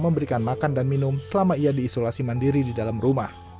memberikan makan dan minum selama ia diisolasi mandiri di dalam rumah